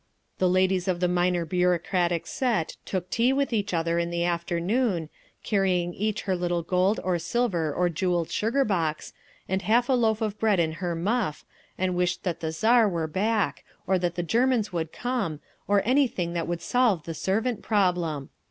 The ladies of the minor bureaucratic set took tea with each other in the afternoon, carrying each her little gold or silver or jewelled sugar box, and half a loaf of bread in her muff, and wished that the Tsar were back, or that the Germans would come, or anything that would solve the servant problem….